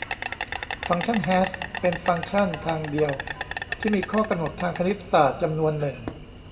ฟังก์ชันแฮชเป็นฟังก์ชันทางเดียวที่มีข้อกำหนดทางคณิตศาสตร์จำนวนหนึ่ง